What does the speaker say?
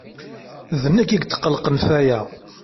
D nekk i yetqelqen f aya.